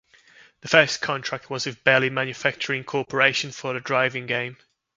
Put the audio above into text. The first contract was with Bally Manufacturing Corporation for a driving game.